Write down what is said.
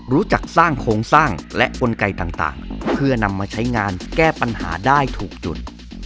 สร้างโครงสร้างและกลไกต่างเพื่อนำมาใช้งานแก้ปัญหาได้ถูกจุด